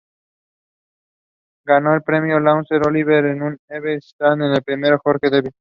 Ganó un Premio Laurence Olivier, un "Evening Standard" y el "Premio George Devine".